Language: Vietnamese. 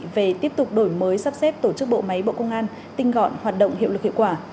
về tiếp tục đổi mới sắp xếp tổ chức bộ máy bộ công an tinh gọn hoạt động hiệu lực hiệu quả